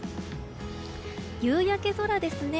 夕焼け空ですね。